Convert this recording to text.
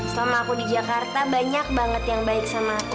selama aku di jakarta banyak banget yang baik sama aku